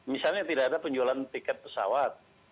misalnya tidak ada penjualan tiket pesawat